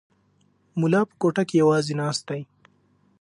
ملا په کوټه کې یوازې ناست دی.